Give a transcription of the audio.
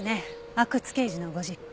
阿久津刑事のご実家。